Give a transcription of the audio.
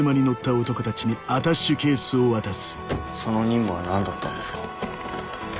その任務は何だったんですか？